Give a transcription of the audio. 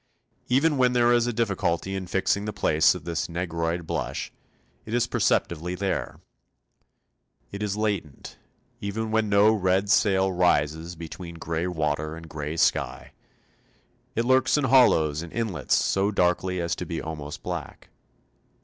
Even when there is a difficulty in fixing the place of this negroid blush, it is perceptibly there. It is latent, even when no red sail rises between grey water and grey sky; it lurks in hollows and inlets so darkly as to be almost black.